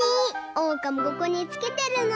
おうかもここにつけてるの！